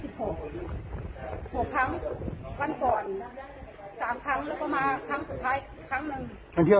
ใช่ค่ะไม่เฝ้าไปได้